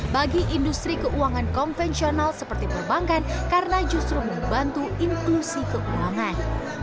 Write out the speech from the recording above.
bagi industri keuangan konvensional seperti perbankan karena justru membantu inklusi keuangan